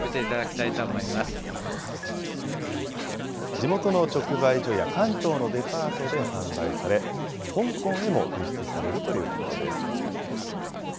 地元の直売所や関東のデパートで販売され、香港へも輸出されるということです。